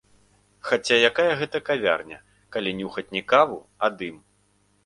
Хаця якая гэта кавярня, калі нюхаць не каву, а дым?